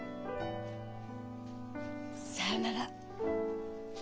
さよなら。